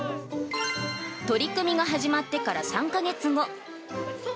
取り組みが始まってから３か月後。